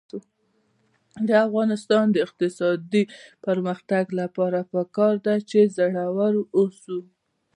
د افغانستان د اقتصادي پرمختګ لپاره پکار ده چې زړور اوسو.